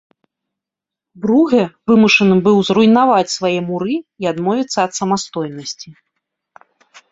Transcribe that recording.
Бругэ вымушаны быў зруйнаваць свае муры і адмовіцца ад самастойнасці.